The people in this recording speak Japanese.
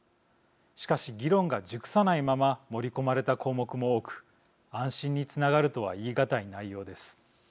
しかし、議論が熟さないまま盛り込まれた項目も多く安心につながるとは言い難い内容です。